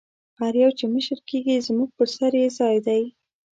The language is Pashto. هر یو چې مشر کېږي زموږ پر سر یې ځای دی.